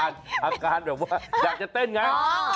อาการแบบว่าอยากจะเต้นไง